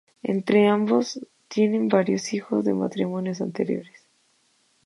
Entre ambos tienen varios hijos de matrimonios anteriores.